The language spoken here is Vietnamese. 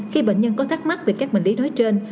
khi bệnh nhân có thắc mắc về các bệnh lý nói trên